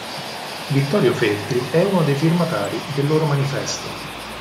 Vittorio Feltri è uno dei firmatari del loro manifesto.